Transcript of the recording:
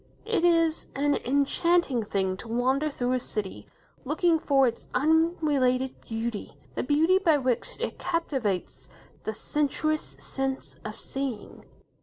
It is an enchanting thing to wander through a city looking for its unrelated beauty, the beauty by which it captivates the sensuous sense of seeing.